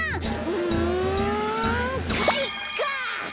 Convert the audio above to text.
うんかいか！